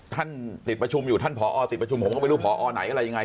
ท่านติดประชุมอยู่ท่านผอติดประชุมผมก็ไม่รู้พอไหนอะไรยังไง